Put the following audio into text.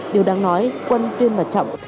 điều đáng nói quân tuyên và trọng